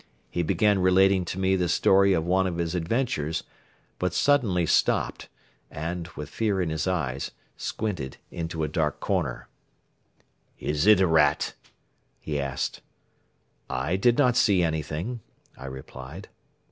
He began relating to me the story of one of his adventures, but suddenly stopped and, with fear in his eyes, squinted into a dark corner. "Is it a rat?" he asked. "I did not see anything," I replied.